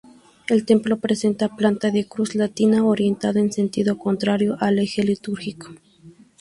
El templo presenta planta de cruz latina, orientada en sentido contrario al eje litúrgico.